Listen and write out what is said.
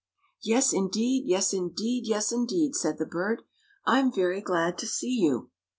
" "Yes, indeed! yes, indeed! yes, indeed!" said the bird. "I'm very glad to see you."